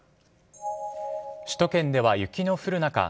首都圏では雪の降る中